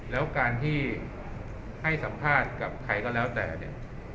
แล้วการที่ให้สัมภาษณ์กับใครก็แล้วแต่เนี่ย